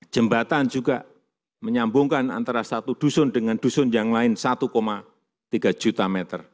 jembatan juga menyambungkan antara satu dusun dengan dusun yang lain satu tiga juta meter